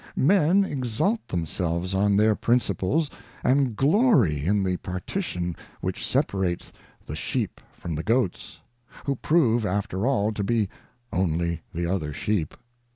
Men exalt themselves on their principles, and glory in the partition which separates the sheep from the goats, who prove, after all, to be only the other sheep.